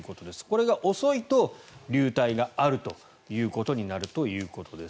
これが遅いと流体があるということになるということです。